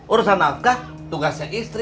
urusan nafkah tugasnya istri